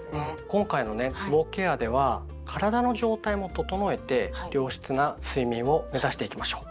今回のねつぼケアでは体の状態も整えて良質な睡眠を目指していきましょう！